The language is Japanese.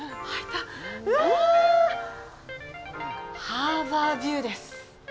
ハーバービューです。